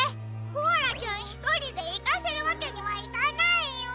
コアラちゃんひとりでいかせるわけにはいかないよ！